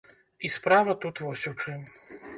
І справа тут вось у чым.